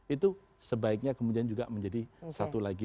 itu sebaiknya kemudian juga menjadi satu lagi